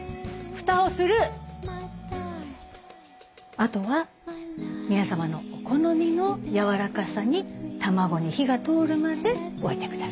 あとは皆様のお好みのやわらかさに卵に火が通るまで置いてください。